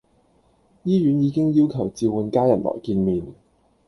醫院已經要求召喚家人來見面